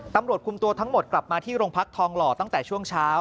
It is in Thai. ตำรวจคุมตัวทั้งหมดกลับมาที่โรงพักทองหล่อตั้งแต่ช่วงเช้า